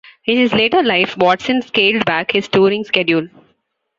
In his later life, Watson scaled back his touring schedule.